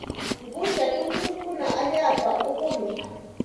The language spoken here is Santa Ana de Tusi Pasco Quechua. Qucha kuchunkuna allaapa uqumi.